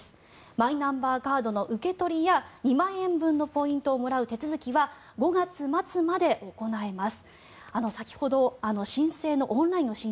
マイナンバーカードの受け取りや２万円分のポイントをもらう手続きは５月末まで行えます。